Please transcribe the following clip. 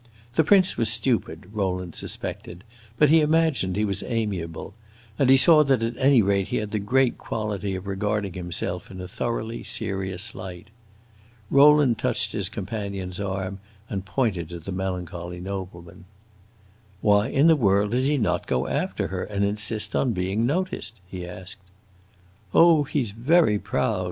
The prince was stupid, Rowland suspected, but he imagined he was amiable, and he saw that at any rate he had the great quality of regarding himself in a thoroughly serious light. Rowland touched his companion's arm and pointed to the melancholy nobleman. "Why in the world does he not go after her and insist on being noticed!" he asked. "Oh, he 's very proud!"